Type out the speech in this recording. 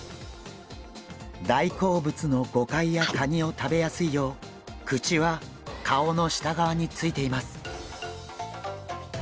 大好物のゴカイやカニを食べやすいよう口は顔の下側についています。